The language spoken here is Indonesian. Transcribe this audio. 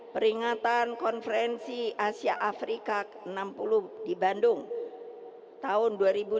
peringatan konferensi asia afrika ke enam puluh di bandung tahun dua ribu enam belas